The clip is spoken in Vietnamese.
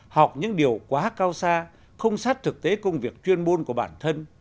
học những điều quá cao xa không sát thực tế công việc chuyên môn của bản thân